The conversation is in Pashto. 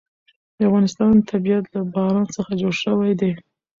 د افغانستان طبیعت له باران څخه جوړ شوی دی.